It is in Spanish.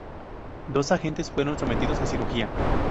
Dos agentes fueron sometidos a cirugía.